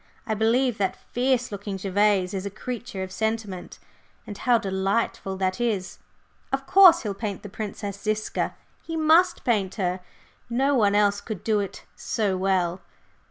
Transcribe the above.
I believe that fierce looking Gervase is a creature of sentiment and how delightful that is! Of course, he'll paint the Princess Ziska he must paint her, no one else could do it so well.